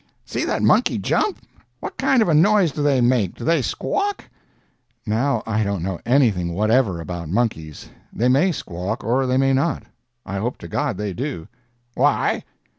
see that monkey jump! What kind of a noise do they make—do they squawk?" "Now, I don't know anything whatever about monkeys. They may squawk, or they may not—I hope to God they do!" "Why?"